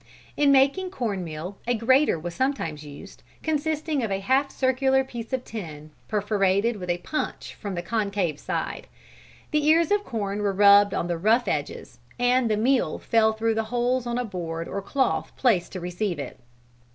In making corn meal a grater was sometimes used, consisting of a half circular piece of tin, perforated with a punch from the concave side. The ears of corn were rubbed on the rough edges, and the meal fell through the holes on a board or cloth placed to receive it.